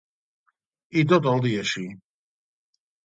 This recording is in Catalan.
I tot el dia així.